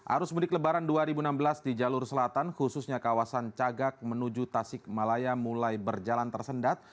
arus mudik lebaran dua ribu enam belas di jalur selatan khususnya kawasan cagak menuju tasik malaya mulai berjalan tersendat